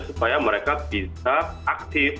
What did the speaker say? supaya mereka bisa aktif